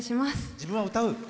自分は歌う？